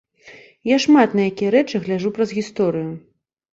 Я шмат на якія рэчы гляджу праз гісторыю.